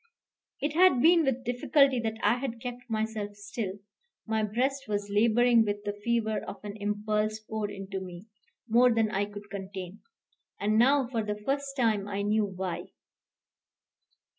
It had been with difficulty that I had kept myself still. My breast was laboring with the fever of an impulse poured into me, more than I could contain. And now for the first time I knew why.